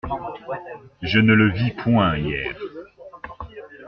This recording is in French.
Je ne le vis point hier.